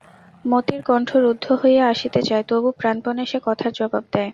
মতির কণ্ঠ রুদ্ধ হইয়া আসিতে চায়, তবু প্রাণপণে সে কথার জবাব দেয়।